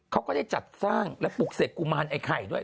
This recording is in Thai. เขาก็ได้จัดสร้างและปลูกเสกกุมารไอ้ไข่ด้วย